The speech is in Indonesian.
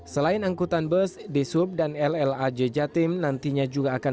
selain angkutan bus dishub dan ll aj jatim nantinya juga akan